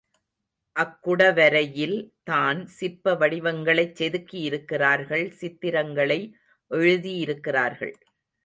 அக்குடவரையில் தான் சிற்ப வடிவங்களைச் செதுக்கியிருக்கிறார்கள் சித்திரங்களை எழுதியிருக்கிறார்கள்.